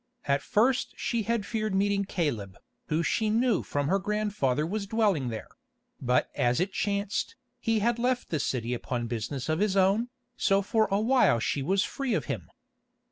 At first she had feared meeting Caleb, who she knew from her grandfather was dwelling there; but as it chanced, he had left the city upon business of his own, so for the while she was free of him.